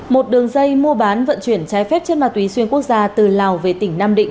một đường dây mua bán vận chuyển trái phép trên ma túy xuyên quốc gia từ lào về tỉnh nam định